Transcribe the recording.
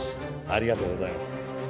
ありがとうございます。